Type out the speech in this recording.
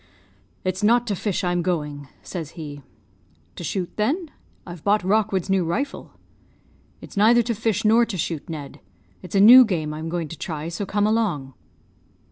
"'It's not to fish I'm going,' says he. "'To shoot, then? I've bought Rockwood's new rifle.' "'It's neither to fish nor to shoot, Ned: it's a new game I'm going to try; so come along.'